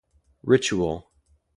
Ritual.